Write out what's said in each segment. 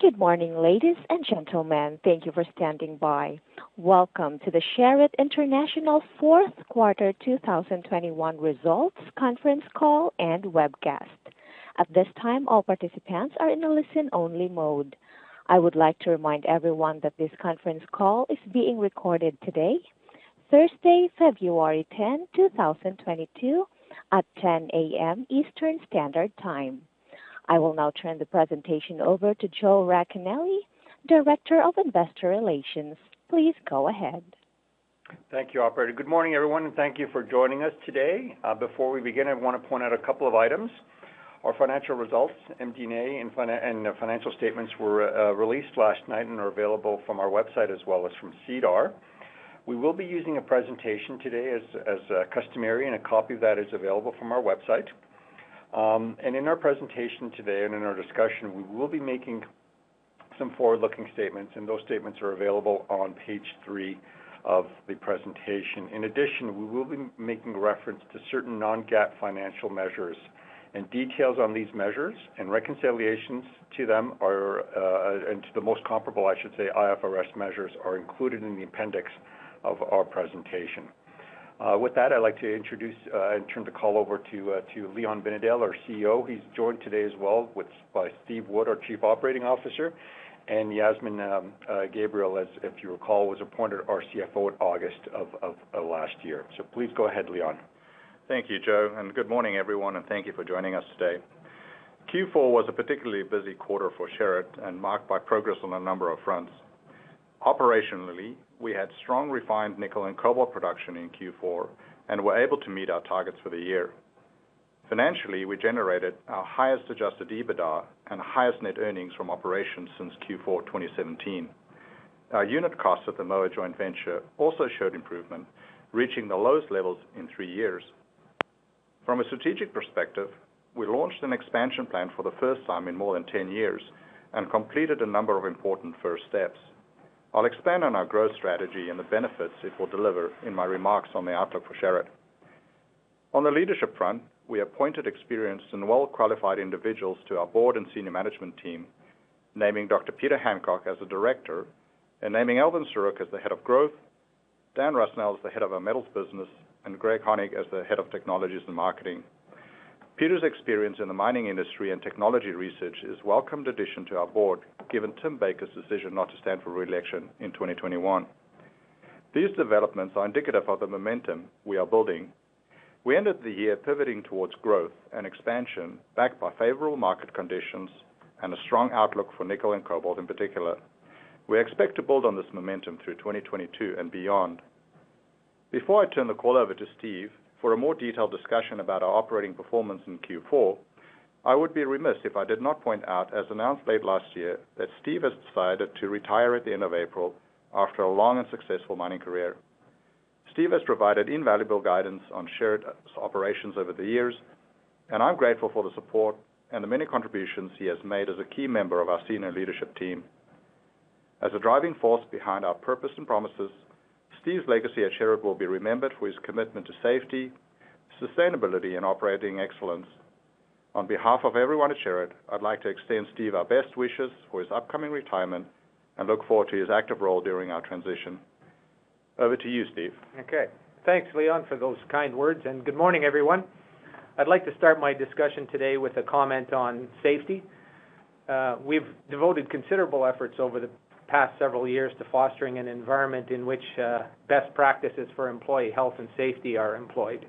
Good morning, ladies and gentlemen. Thank you for standing by. Welcome to the Sherritt International Q4 2021 Results Conference Call and Webcast. At this time, all participants are in a listen-only mode. I would like to remind everyone that this conference call is being recorded today, Thursday, 10 February, 2022 at 10 A.M. Eastern Standard Time. I will now turn the presentation over to Joe Racanelli, Director of Investor Relations. Please go ahead. Thank you, operator. Good morning, everyone, and thank you for joining us today. Before we begin, I wanna point out a couple of items. Our financial results, MD&A, and financial statements were released last night and are available from our website as well as from SEDAR. We will be using a presentation today as customary, and a copy of that is available from our website. In our presentation today and in our discussion, we will be making some forward-looking statements, and those statements are available on page 3 of the presentation. In addition, we will be making reference to certain non-GAAP financial measures, and details on these measures and reconciliations to them and to the most comparable, I should say, IFRS measures are included in the appendix of our presentation. With that, I'd like to introduce and turn the call over to Leon Binedell, our CEO. He's joined today as well by Steve Wood, our Chief Operating Officer, and Yasmin Gabriel, as if you recall, was appointed our CFO in August of last year. Please go ahead, Leon. Thank you, Joe, and good morning, everyone, and thank you for joining us today. Q4 was a particularly busy quarter for Sherritt and marked by progress on a number of fronts. Operationally, we had strong refined nickel and cobalt production in Q4 and were able to meet our targets for the year. Financially, we generated our highest adjusted EBITDA and highest net earnings from operations since Q4 2017. Our unit costs at the Moa Joint Venture also showed improvement, reaching the lowest levels in 3 years. From a strategic perspective, we launched an expansion plan for the first time in more than 10 years and completed a number of important first steps. I'll expand on our growth strategy and the benefits it will deliver in my remarks on the outlook for Sherritt. On the leadership front, we appointed experienced and well-qualified individuals to our board and senior management team, naming Dr. Peter Hancock as a Director and naming Elvin Saruk as the head of growth, Dan Rusnell as the head of our metals business, and Greg Honig as the head of technologies and marketing. Peter's experience in the mining industry and technology research is a welcome addition to our board, given Tim Baker's decision not to stand for reelection in 2021. These developments are indicative of the momentum we are building. We ended the year pivoting towards growth and expansion, backed by favorable market conditions and a strong outlook for nickel and cobalt in particular. We expect to build on this momentum through 2022 and beyond. Before I turn the call over to Steve for a more detailed discussion about our operating performance in Q4, I would be remiss if I did not point out, as announced late last year, that Steve has decided to retire at the end of April after a long and successful mining career. Steve has provided invaluable guidance on Sherritt's operations over the years, and I'm grateful for the support and the many contributions he has made as a key member of our senior leadership team. As a driving force behind our purpose and promises, Steve's legacy at Sherritt will be remembered for his commitment to safety, sustainability, and operating excellence. On behalf of everyone at Sherritt, I'd like to extend Steve our best wishes for his upcoming retirement and look forward to his active role during our transition. Over to you, Steve. Okay. Thanks, Leon, for those kind words, and good morning, everyone. I'd like to start my discussion today with a comment on safety. We've devoted considerable efforts over the past several years to fostering an environment in which best practices for employee health and safety are employed.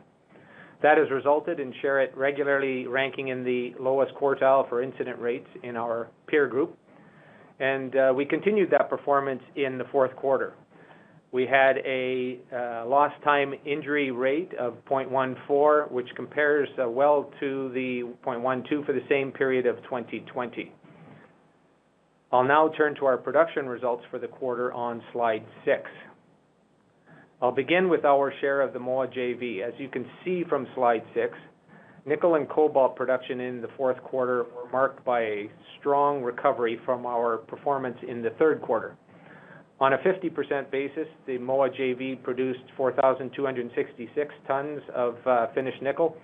That has resulted in Sherritt regularly ranking in the lowest quartile for incident rates in our peer group, and we continued that performance in the Q4. We had a lost time injury rate of 0.14, which compares well to the 0.12 for the same period of 2020. I'll now turn to our production results for the quarter on slide 6. I'll begin with our share of the Moa JV. As you can see from slide 6, nickel and cobalt production in the Q4 were marked by a strong recovery from our performance in the Q3. On a 50% basis, the Moa JV produced 4,266 tons of finished nickel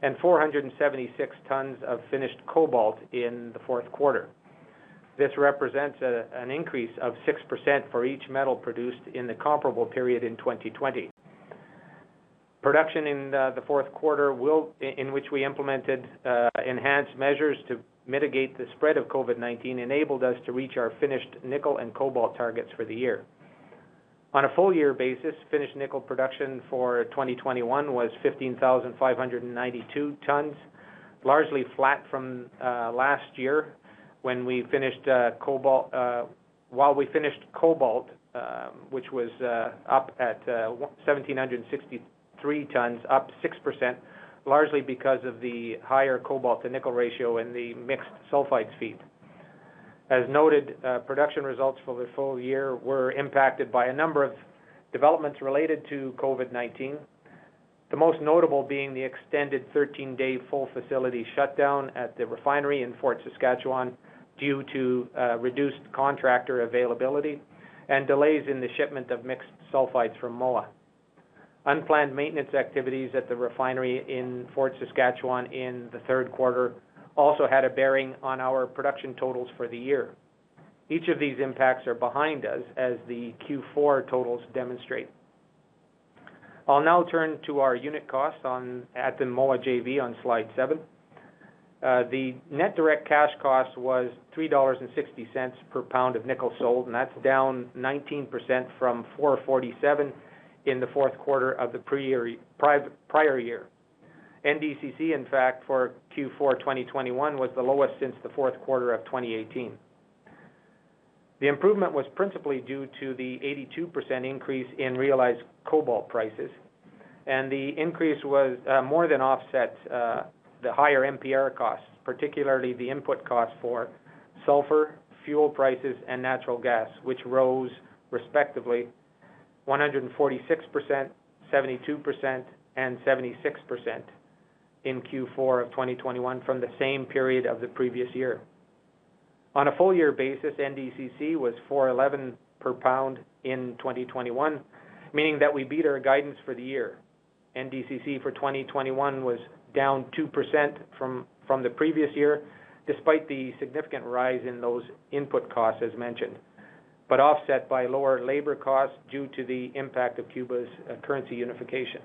and 476 tons of finished cobalt in the Q4. This represents an increase of 6% for each metal produced in the comparable period in 2020. Production in the Q4 in which we implemented enhanced measures to mitigate the spread of COVID-19 enabled us to reach our finished nickel and cobalt targets for the year. On a full year basis, finished nickel production for 2021 was 15,592 tons, largely flat from last year when we finished cobalt. While we finished cobalt, which was up at 1,763 tons, up 6%, largely because of the higher cobalt to nickel ratio in the mixed sulphides feed. As noted, production results for the full year were impacted by a number of developments related to COVID-19. The most notable being the extended 13-day full facility shutdown at the refinery in Fort Saskatchewan due to reduced contractor availability and delays in the shipment of mixed sulphides from Moa. Unplanned maintenance activities at the refinery in Fort Saskatchewan in the Q3 also had a bearing on our production totals for the year. Each of these impacts are behind us as the Q4 totals demonstrate. I'll now turn to our unit costs at the Moa JV on slide seven. The net direct cash cost was $3.60 per pound of nickel sold, and that's down 19% from $4.47 in the Q4 of the prior year. NDCC, in fact, for Q4 2021 was the lowest since the Q4 of 2018. The improvement was principally due to the 82% increase in realized cobalt prices, and the increase was more than offset the higher MPR costs, particularly the input costs for sulfur, fuel prices, and natural gas, which rose respectively 146%, 72%, and 76% in Q4 of 2021 from the same period of the previous year. On a full year basis, NDCC was $4.11 per pound in 2021, meaning that we beat our guidance for the year. NDCC for 2021 was down 2% from the previous year, despite the significant rise in those input costs as mentioned, but offset by lower labor costs due to the impact of Cuba's currency unification.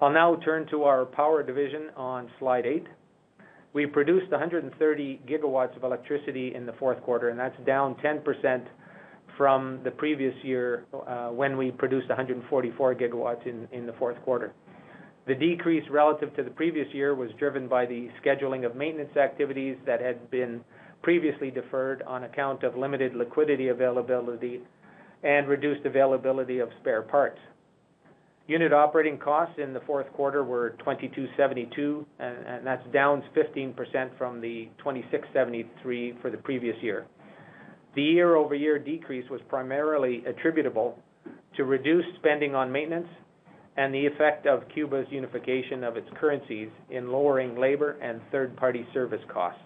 I'll now turn to our power division on slide 8. We produced 130 gigawatts of electricity in the Q4, and that's down 10% from the previous year, when we produced 144 gigawatts in the Q4. The decrease relative to the previous year was driven by the scheduling of maintenance activities that had been previously deferred on account of limited liquidity availability and reduced availability of spare parts. Unit operating costs in the Q4 were 2,272, and that's down 15% from the 2,673 for the previous year. The year-over-year decrease was primarily attributable to reduced spending on maintenance and the effect of Cuba's unification of its currencies in lowering labor and third-party service costs.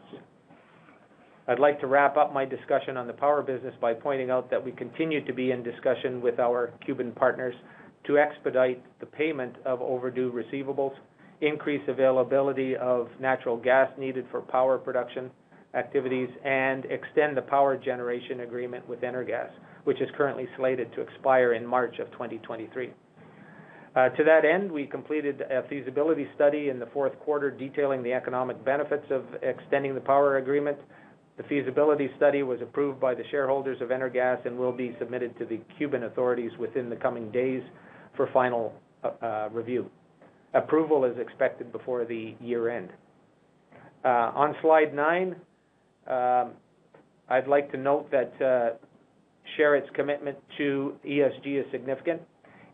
I'd like to wrap up my discussion on the power business by pointing out that we continue to be in discussion with our Cuban partners to expedite the payment of overdue receivables, increase availability of natural gas needed for power production activities, and extend the power generation agreement with Energas, which is currently slated to expire in March 2023. To that end, we completed a feasibility study in the Q4 detailing the economic benefits of extending the power agreement. The feasibility study was approved by the shareholders of Energas and will be submitted to the Cuban authorities within the coming days for final review. Approval is expected before the year end. On slide nine, I'd like to note that Sherritt's commitment to ESG is significant.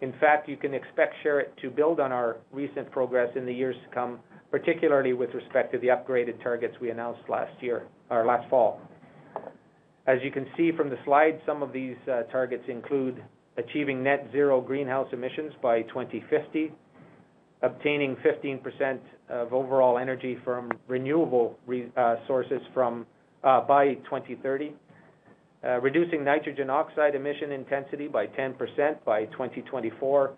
In fact, you can expect Sherritt to build on our recent progress in the years to come, particularly with respect to the upgraded targets we announced last year or last fall. As you can see from the slide, some of these targets include achieving net zero greenhouse emissions by 2050, obtaining 15% of overall energy from renewable sources by 2030, reducing nitrogen oxide emission intensity by 10% by 2024,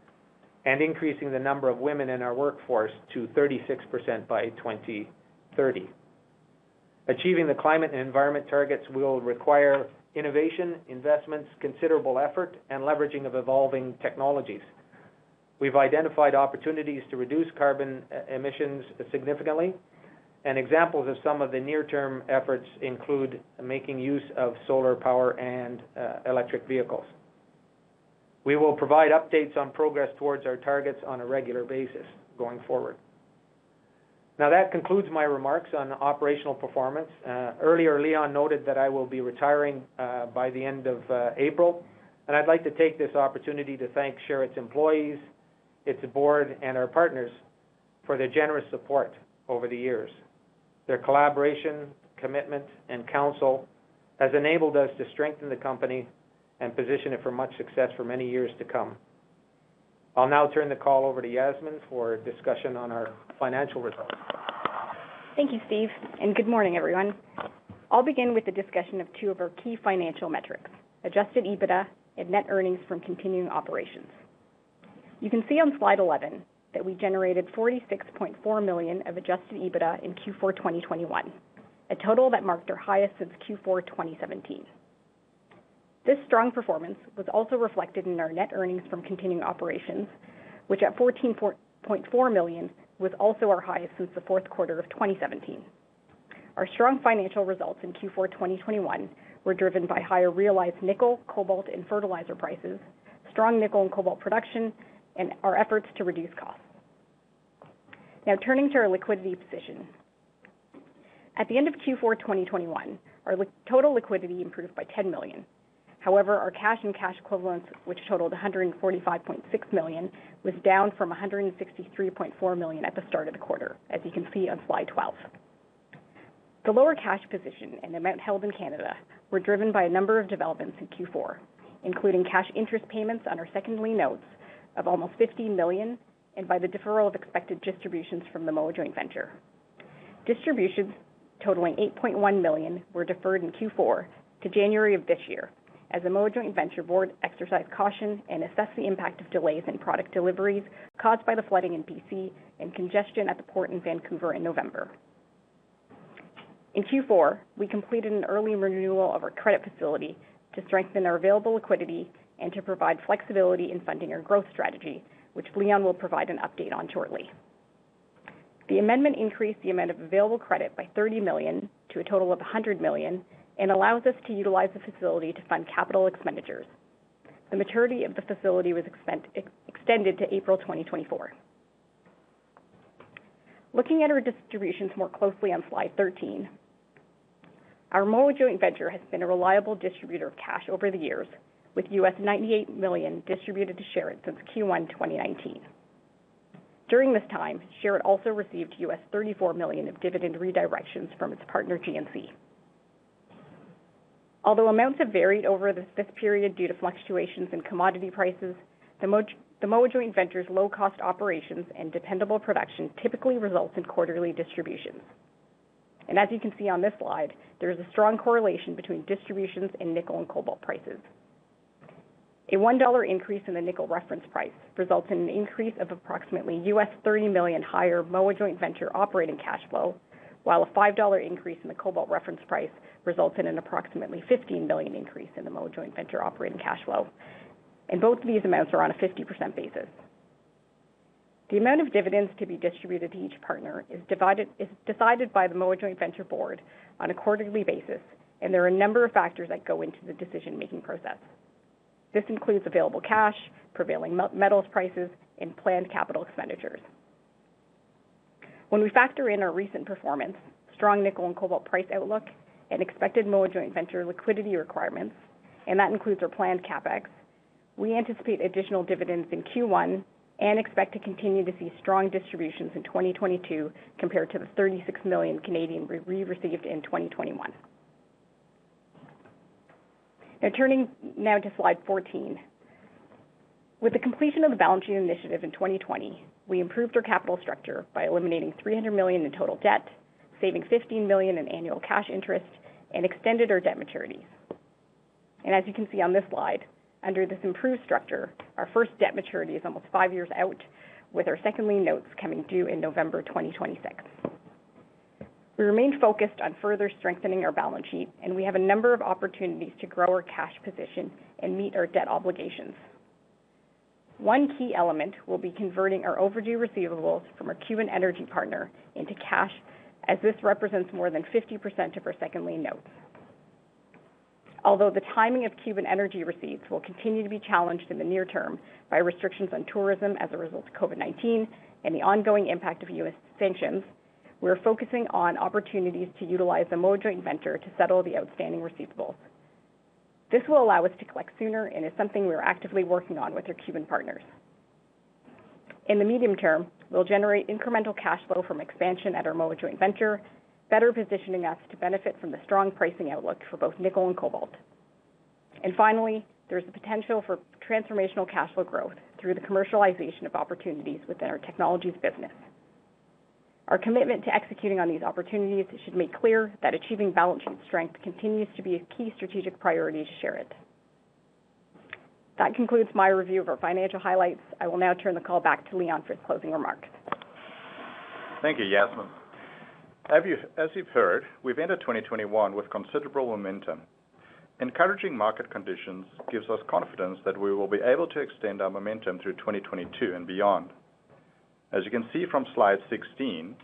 and increasing the number of women in our workforce to 36% by 2030. Achieving the climate and environment targets will require innovation, investments, considerable effort, and leveraging of evolving technologies. We've identified opportunities to reduce carbon emissions significantly, and examples of some of the near-term efforts include making use of solar power and electric vehicles. We will provide updates on progress towards our targets on a regular basis going forward. Now, that concludes my remarks on operational performance. Earlier, Leon noted that I will be retiring by the end of April, and I'd like to take this opportunity to thank Sherritt's employees, its board, and our partners for their generous support over the years. Their collaboration, commitment, and counsel has enabled us to strengthen the company and position it for much success for many years to come. I'll now turn the call over to Yasmin for a discussion on our financial results. Thank you, Steve, and good morning, everyone. I'll begin with a discussion of two of our key financial metrics, adjusted EBITDA and net earnings from continuing operations. You can see on slide 11 that we generated 46.4 million of adjusted EBITDA in Q4 2021, a total that marked our highest since Q4 2017. This strong performance was also reflected in our net earnings from continuing operations, which at 14.4 million was also our highest since the Q4 of 2017. Our strong financial results in Q4 2021 were driven by higher realized nickel, cobalt, and fertilizer prices, strong nickel and cobalt production, and our efforts to reduce costs. Now turning to our liquidity position. At the end of Q4 2021, our total liquidity improved by 10 million. However, our cash and cash equivalents, which totaled 145.6 million, was down from 163.4 million at the start of the quarter, as you can see on slide 12. The lower cash position and amount held in Canada were driven by a number of developments in Q4, including cash interest payments on our second lien notes of almost 50 million and by the deferral of expected distributions from the Moa Joint Venture. Distributions totaling 8.1 million were deferred in Q4 to January of this year as the Moa Joint Venture board exercised caution and assessed the impact of delays in product deliveries caused by the flooding in B.C. and congestion at the port in Vancouver in November. In Q4, we completed an early renewal of our credit facility to strengthen our available liquidity and to provide flexibility in funding our growth strategy, which Leon will provide an update on shortly. The amendment increased the amount of available credit by 30 million to a total of 100 million and allows us to utilize the facility to fund capital expenditures. The maturity of the facility was extended to April 2024. Looking at our distributions more closely on slide 13, our Moa Joint Venture has been a reliable distributor of cash over the years, with $98 million distributed to Sherritt since Q1 2019. During this time, Sherritt also received $34 million of dividend redirections from its partner GNC. Although amounts have varied over this period due to fluctuations in commodity prices, the Moa Joint Venture's low-cost operations and dependable production typically results in quarterly distributions. As you can see on this slide, there is a strong correlation between distributions and nickel and cobalt prices. A $1 increase in the nickel reference price results in an increase of approximately $30 million higher Moa Joint Venture operating cash flow, while a $5 increase in the cobalt reference price results in an approximately $15 million increase in the Moa Joint Venture operating cash flow. Both of these amounts are on a 50% basis. The amount of dividends to be distributed to each partner is decided by the Moa Joint Venture board on a quarterly basis, and there are a number of factors that go into the decision-making process. This includes available cash, prevailing metal prices, and planned capital expenditures. When we factor in our recent performance, strong nickel and cobalt price outlook, and expected Moa Joint Venture liquidity requirements, and that includes our planned CapEx, we anticipate additional dividends in Q1 and expect to continue to see strong distributions in 2022 compared to the 36 million we received in 2021. Now turning to slide 14. With the completion of the balance sheet initiative in 2020, we improved our capital structure by eliminating 300 million in total debt, saving 15 million in annual cash interest, and extended our debt maturities. As you can see on this slide, under this improved structure, our first debt maturity is almost five years out, with our second lien notes coming due in November 2026. We remain focused on further strengthening our balance sheet, and we have a number of opportunities to grow our cash position and meet our debt obligations. One key element will be converting our overdue receivables from our Cuban energy partner into cash, as this represents more than 50% of our second lien notes. Although the timing of Cuban energy receipts will continue to be challenged in the near term by restrictions on tourism as a result of COVID-19 and the ongoing impact of U.S. sanctions, we're focusing on opportunities to utilize the Moa Joint Venture to settle the outstanding receivables. This will allow us to collect sooner and is something we are actively working on with our Cuban partners. In the medium term, we'll generate incremental cash flow from expansion at our Moa Joint Venture, better positioning us to benefit from the strong pricing outlook for both nickel and cobalt. Finally, there is the potential for transformational cash flow growth through the commercialization of opportunities within our technologies business. Our commitment to executing on these opportunities should make clear that achieving balance sheet strength continues to be a key strategic priority to Sherritt. That concludes my review of our financial highlights. I will now turn the call back to Leon for his closing remarks. Thank you, Yasmin. As you've heard, we've ended 2021 with considerable momentum. Encouraging market conditions gives us confidence that we will be able to extend our momentum through 2022 and beyond. As you can see from slide 16,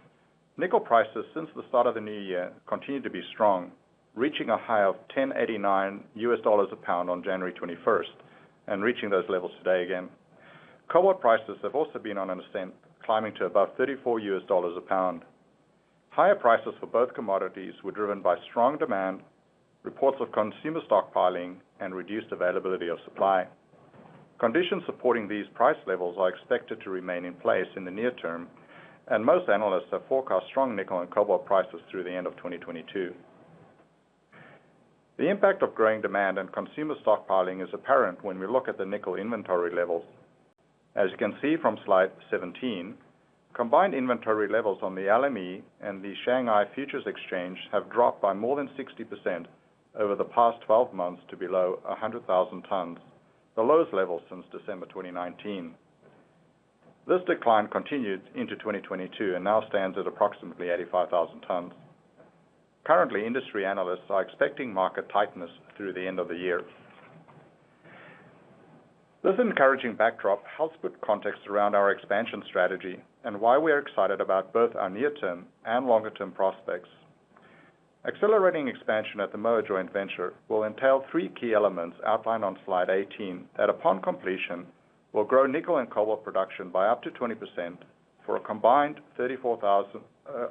nickel prices since the start of the new year continue to be strong, reaching a high of $10.89 a pound on January 21 and reaching those levels today again. Cobalt prices have also been on an ascent, climbing to above $34 a pound. Higher prices for both commodities were driven by strong demand, reports of consumer stockpiling, and reduced availability of supply. Conditions supporting these price levels are expected to remain in place in the near term, and most analysts have forecast strong nickel and cobalt prices through the end of 2022. The impact of growing demand and consumer stockpiling is apparent when we look at the nickel inventory levels. As you can see from slide 17, combined inventory levels on the LME and the Shanghai Futures Exchange have dropped by more than 60% over the past 12 months to below 100,000 tons, the lowest level since December 2019. This decline continued into 2022 and now stands at approximately 85,000 tons. Currently, industry analysts are expecting market tightness through the end of the year. This encouraging backdrop helps put context around our expansion strategy and why we are excited about both our near-term and longer-term prospects. Accelerating expansion at the Moa Joint Venture will entail three key elements outlined on slide 18 that, upon completion, will grow nickel and cobalt production by up to 20%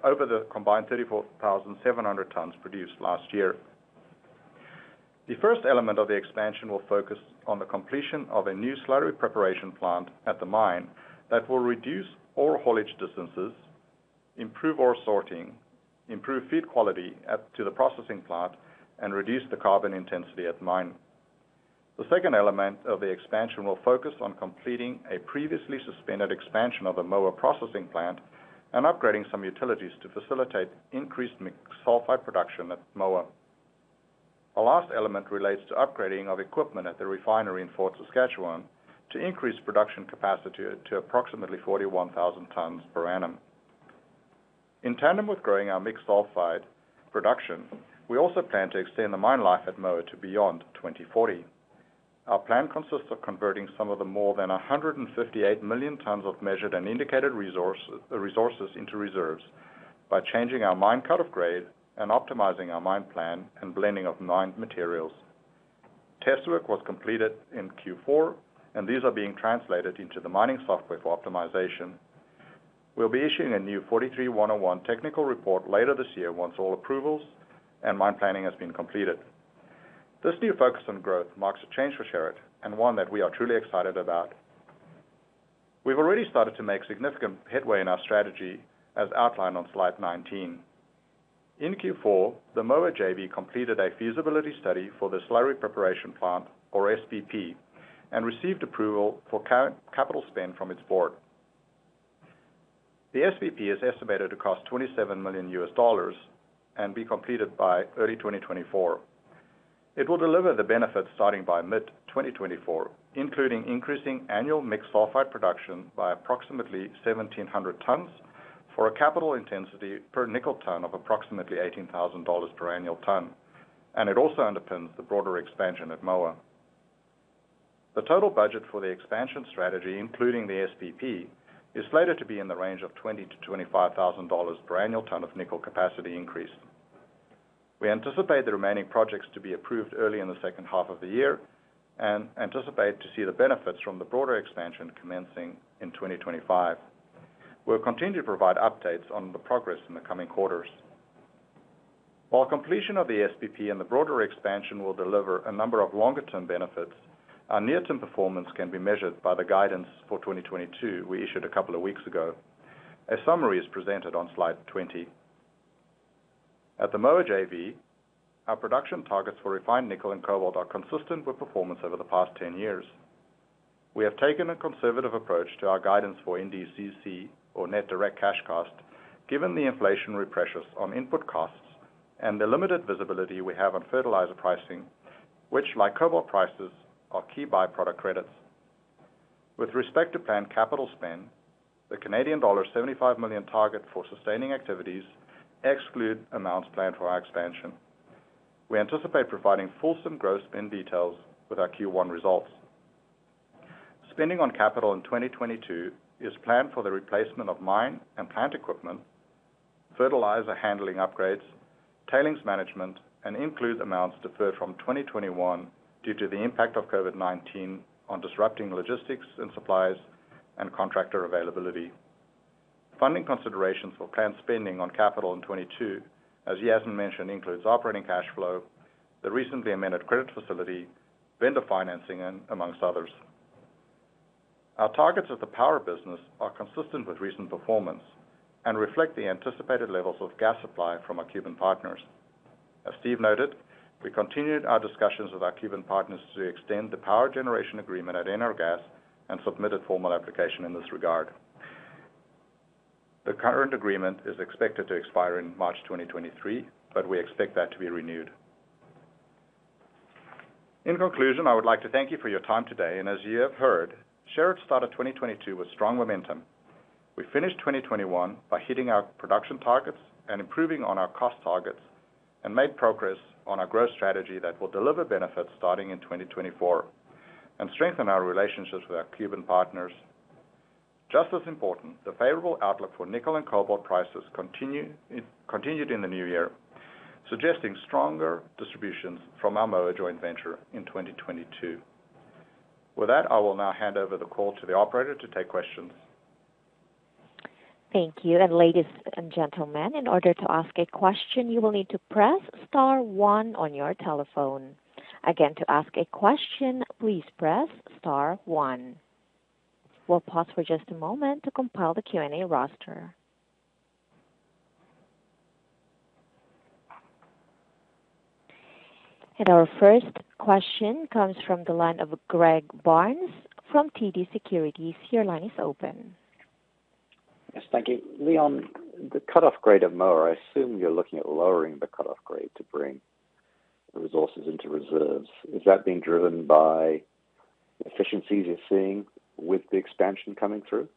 over the combined 34,700 tons produced last year. The first element of the expansion will focus on the completion of a new Slurry Preparation Plant at the mine that will reduce ore haulage distances, improve ore sorting, improve feed quality to the processing plant, and reduce the carbon intensity at the mine. The second element of the expansion will focus on completing a previously suspended expansion of the Moa processing plant and upgrading some utilities to facilitate increased mixed sulfides production at Moa. The last element relates to upgrading of equipment at the refinery in Fort Saskatchewan to increase production capacity to approximately 41,000 tons per annum. In tandem with growing our mixed sulfide production, we also plan to extend the mine life at Moa to beyond 2040. Our plan consists of converting some of the more than 158 million tons of measured and indicated resources into reserves by changing our mine cut-off grade and optimizing our mine plan and blending of mined materials. Test work was completed in Q4, and these are being translated into the mining software for optimization. We'll be issuing a new 43-101 technical report later this year once all approvals and mine planning has been completed. This new focus on growth marks a change for Sherritt and one that we are truly excited about. We've already started to make significant headway in our strategy as outlined on slide 19. In Q4, the Moa JV completed a feasibility study for the slurry preparation plant, or SPP, and received approval for capital spend from its board. The SPP is estimated to cost $27 million and be completed by early 2024. It will deliver the benefits starting by mid-2024, including increasing annual mixed sulfide production by approximately 1,700 tons for a capital intensity per nickel ton of approximately $18,000 per annual ton. It also underpins the broader expansion at Moa. The total budget for the expansion strategy, including the SPP, is slated to be in the range of $20,000-$25,000 per annual ton of nickel capacity increase. We anticipate the remaining projects to be approved early in the H2 of the year and anticipate to see the benefits from the broader expansion commencing in 2025. We'll continue to provide updates on the progress in the coming quarters. While completion of the SPP and the broader expansion will deliver a number of longer-term benefits, our near-term performance can be measured by the guidance for 2022 we issued a couple of weeks ago. A summary is presented on slide 20. At the Moa JV, our production targets for refined nickel and cobalt are consistent with performance over the past 10 years. We have taken a conservative approach to our guidance for NDCC, or net direct cash cost, given the inflationary pressures on input costs and the limited visibility we have on fertilizer pricing, which, like cobalt prices, are key byproduct credits. With respect to planned capital spend, the Canadian dollar 75 million target for sustaining activities exclude amounts planned for our expansion. We anticipate providing fulsome gross spend details with our Q1 results. Spending on capital in 2022 is planned for the replacement of mine and plant equipment, fertilizer handling upgrades, tailings management, and includes amounts deferred from 2021 due to the impact of COVID-19 on disrupting logistics and supplies and contractor availability. Funding considerations for planned spending on capital in 2022, as Yasmin mentioned, includes operating cash flow, the recently amended credit facility, vendor financing, and amongst others. Our targets of the power business are consistent with recent performance and reflect the anticipated levels of gas supply from our Cuban partners. As Steve noted, we continued our discussions with our Cuban partners to extend the power generation agreement at Energas and submitted formal application in this regard. The current agreement is expected to expire in March 2023, but we expect that to be renewed. In conclusion, I would like to thank you for your time today. As you have heard, Sherritt started 2022 with strong momentum. We finished 2021 by hitting our production targets and improving on our cost targets and made progress on our growth strategy that will deliver benefits starting in 2024 and strengthen our relationships with our Cuban partners. Just as important, the favorable outlook for nickel and cobalt prices continued in the new year, suggesting stronger distributions from our Moa Joint Venture in 2022. With that, I will now hand over the call to the operator to take questions. Thank you. Ladies and gentlemen, in order to ask a question, you will need to press star one on your telephone. Again, to ask a question, please press star one. We'll pause for just a moment to compile the Q&A roster. Our first question comes from the line of Greg Barnes from TD Securities. Your line is open. Yes. Thank you. Leon, the cut-off grade at Moa, I assume you're looking at lowering the cut-off grade to bring resources into reserves. Is that being driven by efficiencies you're seeing with the expansion coming through?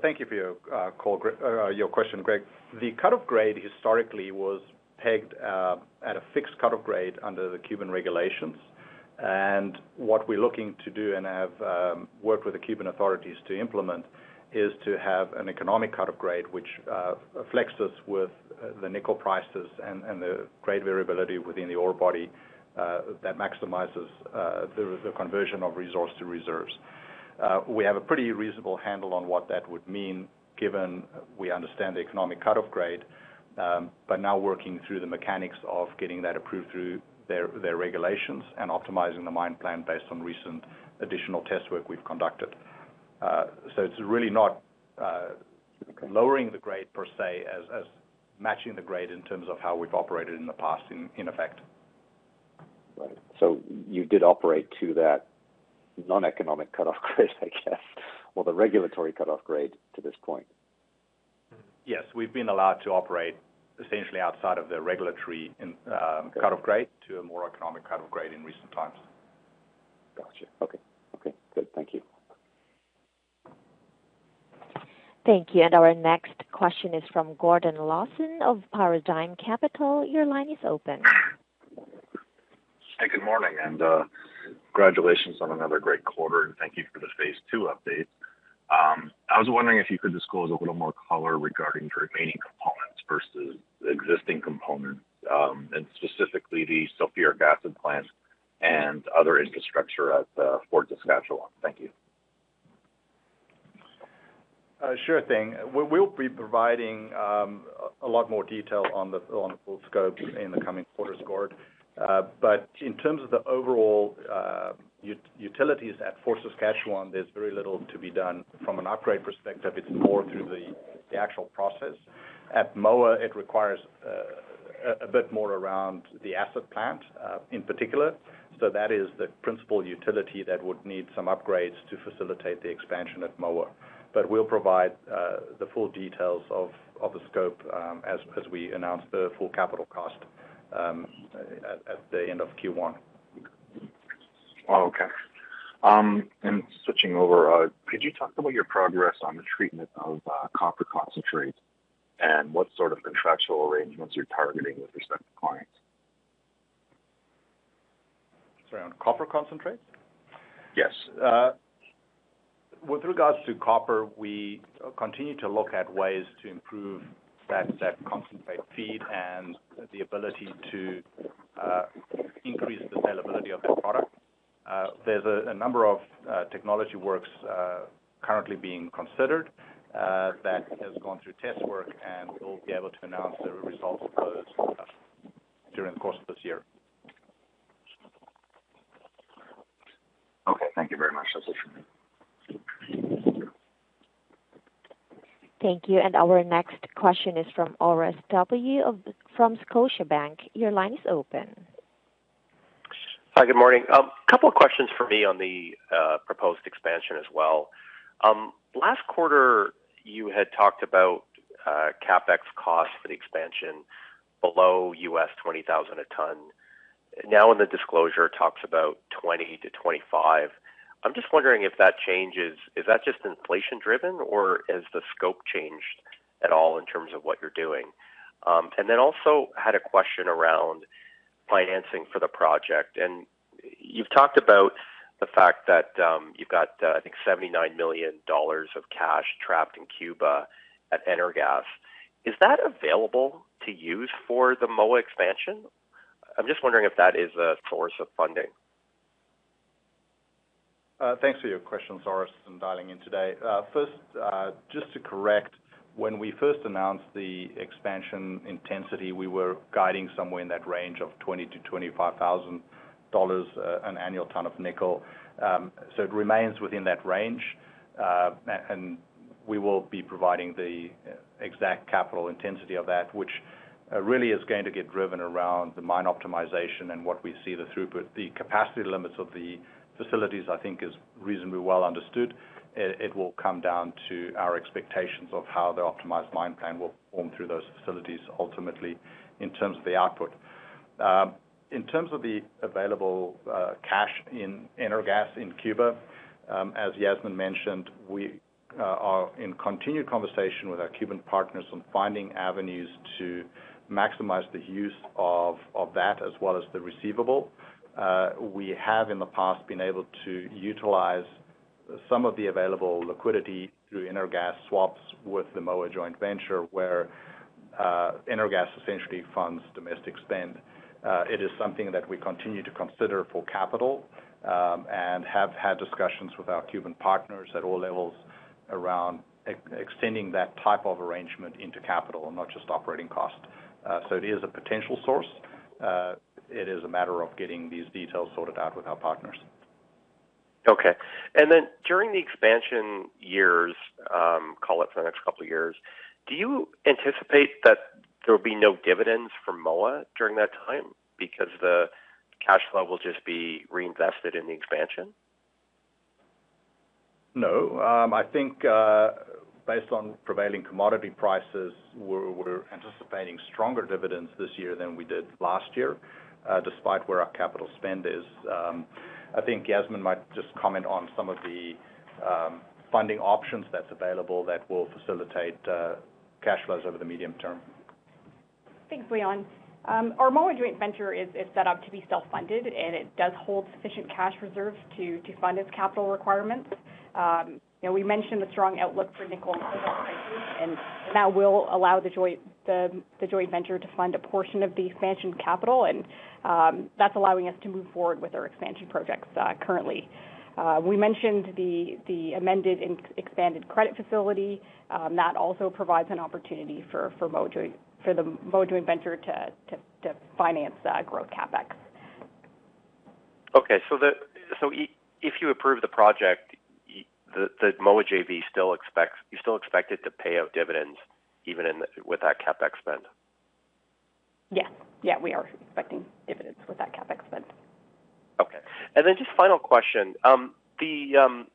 Thank you for your call or your question, Greg. The cut-off grade historically was pegged at a fixed cut-off grade under the Cuban regulations. What we're looking to do, and have worked with the Cuban authorities to implement, is to have an economic cut-off grade, which flexes with the nickel prices and the grade variability within the ore body that maximizes the conversion of resource to reserves. We have a pretty reasonable handle on what that would mean given we understand the economic cut-off grade, but now working through the mechanics of getting that approved through their regulations and optimizing the mine plan based on recent additional test work we've conducted. It's really not lowering the grade per se as matching the grade in terms of how we've operated in the past, in effect. Right. You did operate to that noneconomic cutoff grade, I guess, or the regulatory cutoff grade to this point? Yes. We've been allowed to operate essentially outside of the regulatory cut-off grade to a more economic cut-off grade in recent times. Got you. Okay. Okay, good. Thank you. Thank you. Our next question is from Gordon Lawson of Paradigm Capital. Your line is open. Hey, good morning, and congratulations on another great quarter, and thank you for the phase two update. I was wondering if you could disclose a little more color regarding the remaining components versus the existing components, and specifically the sulfuric acid plant and other infrastructure at Fort Saskatchewan. Thank you. Sure thing. We'll be providing a lot more detail on the full scope in the coming quarters, Gord. In terms of the overall utilities at Fort Saskatchewan, there's very little to be done from an upgrade perspective. It's more through the actual process. At Moa, it requires a bit more around the acid plant, in particular. That is the principal utility that would need some upgrades to facilitate the expansion at Moa. We'll provide the full details of the scope as we announce the full capital cost at the end of Q1. Could you talk about your progress on the treatment of copper concentrate and what sort of contractual arrangements you're targeting with respect to clients? Sorry, on copper concentrate? Yes. With regards to copper, we continue to look at ways to improve that concentrate feed and the ability to increase the saleability of that product. There's a number of technology works currently being considered that has gone through test work, and we'll be able to announce the results of those during the course of this year. Okay. Thank you very much. That's it for me. Thank you. Our next question is from Orest Wowkodaw of Scotiabank. Your line is open. Hi, good morning. Couple of questions for me on the proposed expansion as well. Last quarter, you had talked about CapEx costs for the expansion below $20,000 a ton. Now in the disclosure, it talks about $20,000-$25,000. I'm just wondering if that change is just inflation driven or has the scope changed at all in terms of what you're doing? Then also had a question around financing for the project. You've talked about the fact that you've got I think $79 million of cash trapped in Cuba at Energas. Is that available to use for the Moa expansion? I'm just wondering if that is a source of funding. Thanks for your questions, Orest, and dialing in today. First, just to correct, when we first announced the expansion intensity, we were guiding somewhere in that range of $20,000-$25,000 an annual ton of nickel. It remains within that range, and we will be providing the exact capital intensity of that, which really is going to get driven around the mine optimization and what we see the throughput. The capacity limits of the facilities, I think is reasonably well understood. It will come down to our expectations of how the optimized mine plan will form through those facilities, ultimately, in terms of the output. In terms of the available cash in Energas in Cuba, as Yasmin mentioned, we are in continued conversation with our Cuban partners on finding avenues to maximize the use of that as well as the receivable. We have in the past been able to utilize some of the available liquidity through Energas swaps with the Moa Joint Venture where Energas essentially funds domestic spend. It is something that we continue to consider for capital and have had discussions with our Cuban partners at all levels around extending that type of arrangement into capital and not just operating costs. It is a potential source. It is a matter of getting these details sorted out with our partners. Okay. During the expansion years, call it for the next couple of years, do you anticipate that there will be no dividends from Moa during that time because the cash flow will just be reinvested in the expansion? No. I think, based on prevailing commodity prices, we're anticipating stronger dividends this year than we did last year, despite where our capital spend is. I think Yasmin might just comment on some of the funding options that's available that will facilitate cash flows over the medium term. Thanks, Leon. Our Moa Joint Venture is set up to be self-funded, and it does hold sufficient cash reserves to fund its capital requirements. You know, we mentioned the strong outlook for nickel and cobalt prices, and that will allow the joint venture to fund a portion of the expansion capital, and that's allowing us to move forward with our expansion projects currently. We mentioned the amended and expanded credit facility. That also provides an opportunity for the Moa Joint Venture to finance growth CapEx. Okay. If you approve the project, you still expect it to pay out dividends even with that CapEx spend? Yes. Yeah, we are expecting dividends with that CapEx spend. Okay. Then just final question. Leon,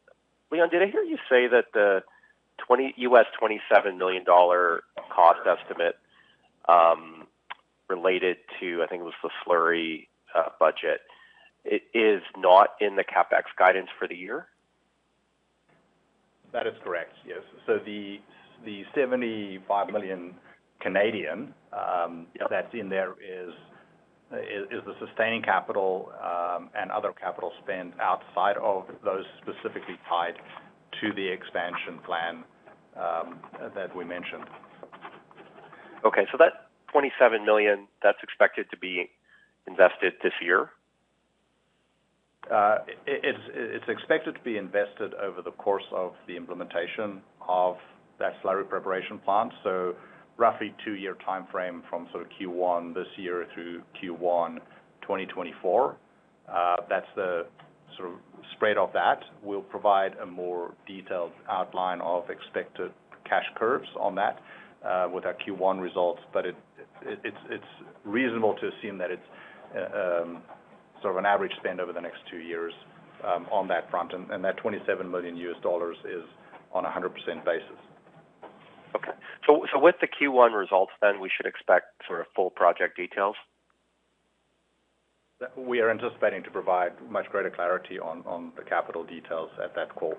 did I hear you say that the US $27 million cost estimate related to, I think it was the slurry budget, is not in the CapEx guidance for the year? That is correct, yes. The 75 million that's in there is the sustaining capital, and other capital spend outside of those specifically tied to the expansion plan that we mentioned. Okay. That 27 million, that's expected to be invested this year? It's expected to be invested over the course of the implementation of that Slurry Preparation Plant. Roughly 2-year timeframe from Q1 this year through Q1 2024. That's the sort of spread of that. We'll provide a more detailed outline of expected cash curves on that with our Q1 results. It's reasonable to assume that it's sort of an average spend over the next two years on that front. That $27 million is on a 100% basis. With the Q1 results, then we should expect sort of full project details? We are anticipating to provide much greater clarity on the capital details at that call.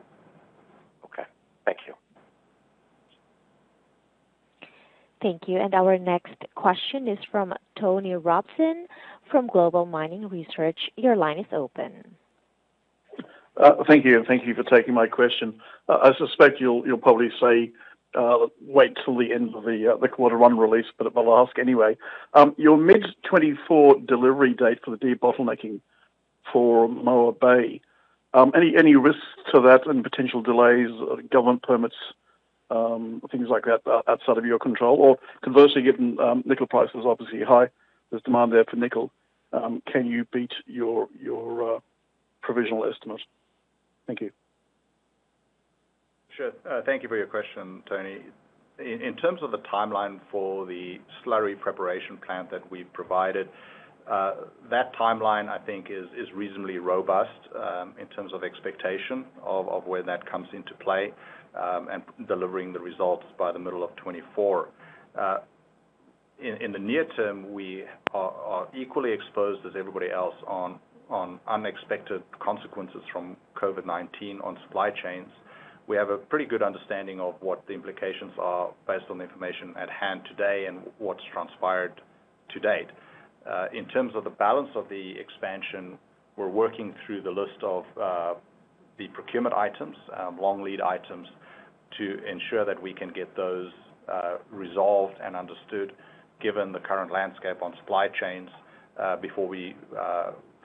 Okay. Thank you. Thank you. Our next question is from Tony Robson from Global Mining Research. Your line is open. Thank you, thank you for taking my question. I suspect you'll probably say wait till the end of the quarter one release, but I'll ask anyway. Your mid-2024 delivery date for the debottlenecking for Moa Bay, any risks to that and potential delays, government permits, things like that, outside of your control? Or conversely, given nickel price is obviously high, there's demand there for nickel, can you beat your provisional estimates? Thank you. Sure. Thank you for your question, Tony. In terms of the timeline for the Slurry Preparation Plant that we've provided, that timeline I think is reasonably robust, in terms of expectation of where that comes into play, and delivering the results by the middle of 2024. In the near term, we are equally exposed as everybody else on unexpected consequences from COVID-19 on supply chains. We have a pretty good understanding of what the implications are based on the information at hand today and what's transpired to date. In terms of the balance of the expansion, we're working through the list of the procurement items, long lead items, to ensure that we can get those resolved and understood given the current landscape on supply chains, before we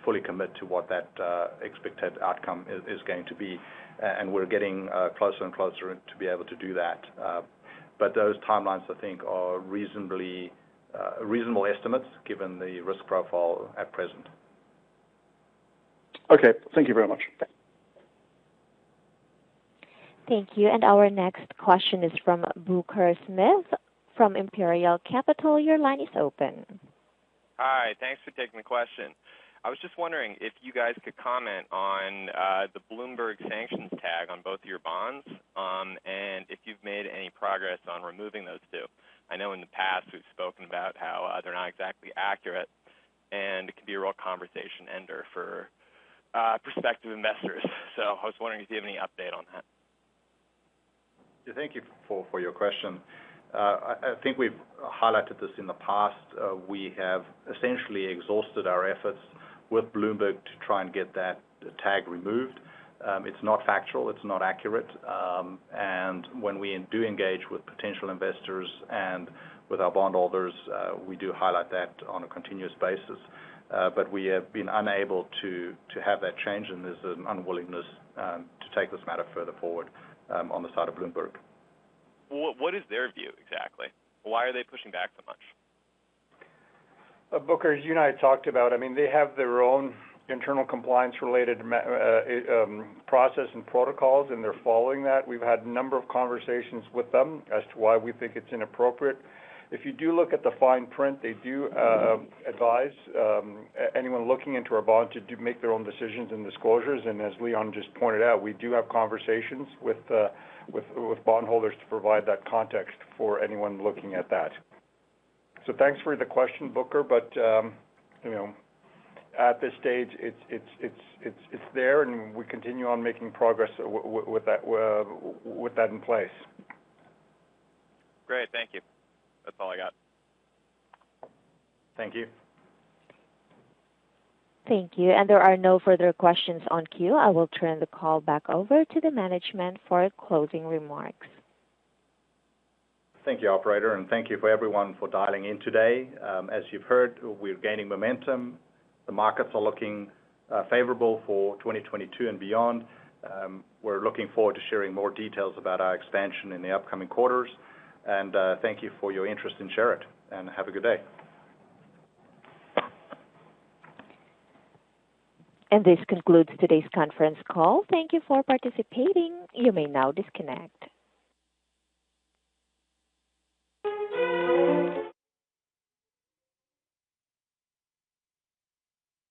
fully commit to what that expected outcome is going to be. We're getting closer and closer to be able to do that. Those timelines I think are reasonable estimates given the risk profile at present. Okay. Thank you very much. Thanks. Thank you. Our next question is from Booker Smith from Imperial Capital. Your line is open. Hi. Thanks for taking the question. I was just wondering if you guys could comment on the Bloomberg sanctions tag on both of your bonds, and if you've made any progress on removing those two. I know in the past we've spoken about how they're not exactly accurate, and it can be a real conversation ender for prospective investors. I was wondering if you have any update on that. Thank you for your question. I think we've highlighted this in the past. We have essentially exhausted our efforts with Bloomberg to try and get that tag removed. It's not factual, it's not accurate. When we do engage with potential investors and with our bondholders, we do highlight that on a continuous basis. We have been unable to have that change, and there's an unwillingness to take this matter further forward, on the side of Bloomberg. What is their view exactly? Why are they pushing back so much? Booker, as you and I talked about, I mean, they have their own internal compliance related process and protocols, and they're following that. We've had a number of conversations with them as to why we think it's inappropriate. If you do look at the fine print, they do advise anyone looking into our bond to make their own decisions and disclosures. As Leon just pointed out, we do have conversations with bondholders to provide that context for anyone looking at that. Thanks for the question, Booker, but you know, at this stage, it's there, and we continue on making progress with that in place. Great. Thank you. That's all I got. Thank you. Thank you. There are no further questions in the queue. I will turn the call back over to the management for closing remarks. Thank you, operator, and thank you for everyone for dialing in today. As you've heard, we're gaining momentum. The markets are looking favorable for 2022 and beyond. We're looking forward to sharing more details about our expansion in the upcoming quarters. Thank you for your interest in Sherritt, and have a good day. This concludes today's conference call. Thank you for participating. You may now disconnect.